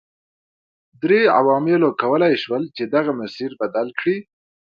درې عواملو کولای شول چې دغه مسیر بدل کړي.